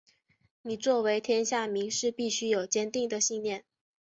你作为天下名士必须有坚定的信念！